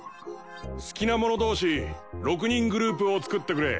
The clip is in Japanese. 好きな者同士６人グループを作ってくれ。